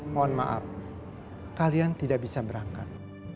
mohon maaf kalian tidak bisa berangkat